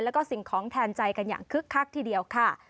แล้วก็สิ่งของแทนใจกันอย่างคึกคักทีเดียวค่ะ